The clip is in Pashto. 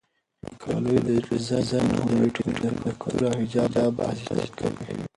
د کالیو د ډیزاین هنر د یوې ټولنې د کلتور او حجاب استازیتوب کوي.